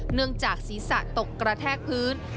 เนื่องจากศีรษะตกกระแทกพื้น